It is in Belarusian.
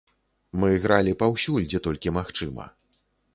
Мы гралі паўсюль, дзе толькі магчыма.